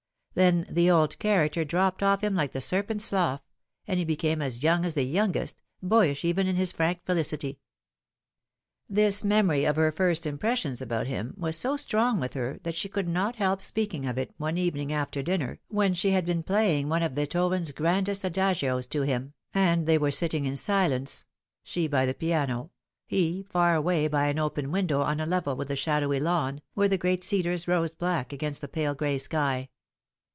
Then the old character dropped off him like the serpent's slough, and he became as young as the youngest boyish even in his frank felicity. This memory of her first impressions about him was so strong with her that she could not help speaking of it one even ing after dinner when she had been playing one of Beethoven's grandest adagios to him, and they were sitting in silence, she by the piano, he far away by an open window on a level with the shadowy lawn, where the great cedars rose black against the pale gray sky.